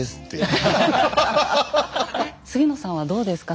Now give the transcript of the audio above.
杉野さんはどうですか？